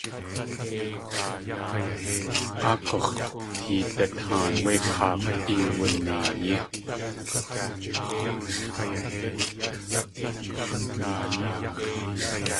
Áa k̲úx̲ teedataan wé k̲áakwt iwuneiyí!